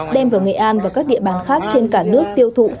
đem vào nghệ an và các địa bàn khác trên cả nước tiêu thụ